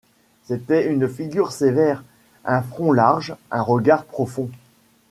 C’était une figure sévère, un front large, un regard profond.